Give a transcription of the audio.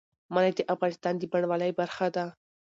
منی د افغانستان د بڼوالۍ برخه ده.